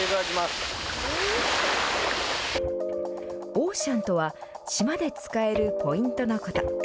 オーシャンとは島で使えるポイントのこと。